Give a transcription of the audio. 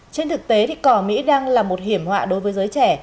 trên thực tế cỏ mỹ đang là một hiểm họa đối với giới trẻ